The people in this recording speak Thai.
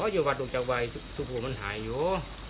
อ๋ออยู่วันตรงจังวัยทุกทุกภูมิมันหายอยู่